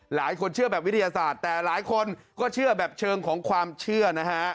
หลายคนเชื่อแบบวิทยาศาสตร์แต่หลายคนก็เชื่อแบบเชิงของความเชื่อนะฮะ